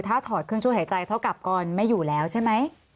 ถ้าถอดเครื่องช่วยหายใจเท่ากับกรไม่อยู่แล้วใช่ไหม